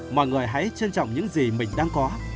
mọi người hãy trân trọng những gì mình đang có